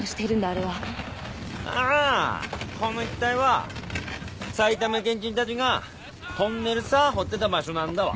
ああこの一帯は埼玉県人たちがトンネルさ掘ってた場所なんだわ。